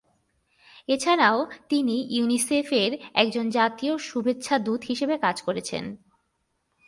এছাড়াও তিনি ইউনিসেফ এর একজন জাতীয় শুভেচ্ছা দূত হিসেবে কাজ করছেন।